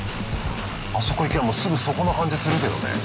あそこ行けばもうすぐそこな感じするけどね。